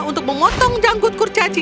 untuk mengotong janggut kurcaci